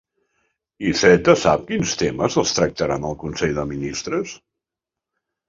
Iceta sap quins temes es tractaran al consell de ministres?